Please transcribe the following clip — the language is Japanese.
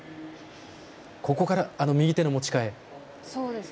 ここから、右手の持ち替え。